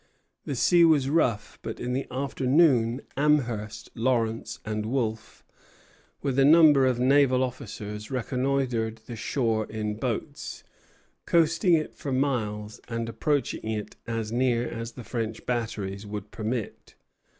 The sea was rough; but in the afternoon Amherst, Lawrence, and Wolfe, with a number of naval officers, reconnoitred the shore in boats, coasting it for miles, and approaching it as near as the French batteries would permit.